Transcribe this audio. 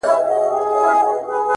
• مسافر ته سوه پیدا په زړه کي تمه ,